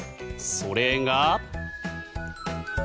それが。